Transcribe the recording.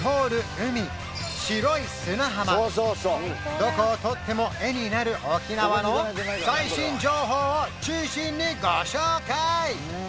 どこを取っても絵になる沖縄の最新情報を中心にご紹介！